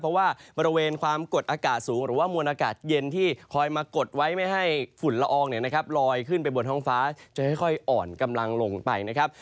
เพราะว่าบริเวณความกดอากาศสูงหรือว่ามวลอากาศเย็นที่คอยมากดไว้ไม่ให้ฝุ่นละอองเนี่ยนะครับลอยขึ้นไปบนท้องฟ้าจะค่อยอ่อนกำลังลงไปนะครับ